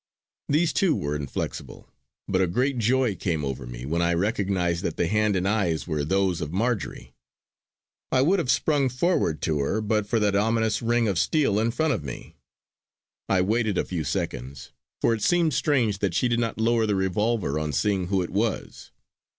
These too were inflexible; but a great joy came over me when I recognised that the hand and eyes were those of Marjory. I would have sprung forward to her, but for that ominous ring of steel in front of me. I waited a few seconds, for it seemed strange that she did not lower the revolver on seeing who it was.